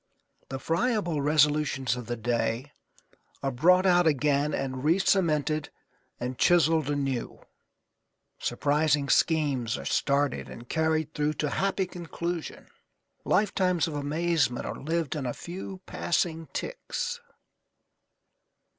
The friable resolutions of the day are brought out again and recemented and chiselled anew. Surprising schemes are started and carried through to happy conclusion, lifetimes of amazement are lived in a few passing ticks.